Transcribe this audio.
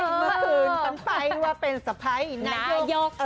เมื่อคืนกันไปว่าเป็นสะพ้ายนายก